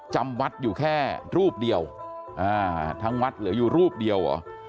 จำวัดอยู่แค่รูปเดียวทั้งวัดเหลืออยู่รูปเดียวเหรอ